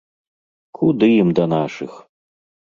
Куды ім да нашых!